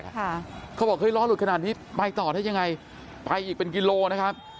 เขาบอกเฮ้ล้อหลุดขนาดนี้ไปต่อได้ยังไงไปอีกเป็นกิโลนะครับ